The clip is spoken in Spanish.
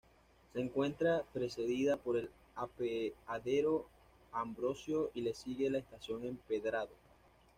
Se encuentra precedida por el Apeadero A. Ambrosio y le sigue la Estación Empedrado.